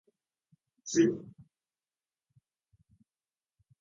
山梨県南アルプス市